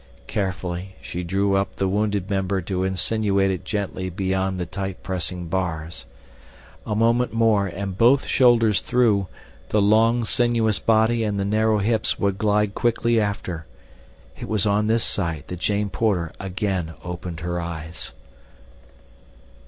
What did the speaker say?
Carefully she drew up the wounded member to insinuate it gently beyond the tight pressing bars. A moment more and both shoulders through, the long, sinuous body and the narrow hips would glide quickly after. It was on this sight that Jane Porter again opened her eyes.